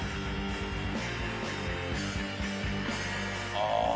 ああ。